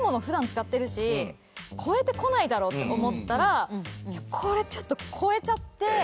普段使ってるし超えてこないだろうって思ったらこれちょっと超えちゃって。